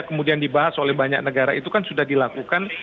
kemudian dibahas oleh banyak negara itu kan sudah dilakukan